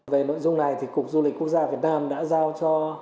về nội dung này thì cục du lịch quốc gia việt nam đã giao cho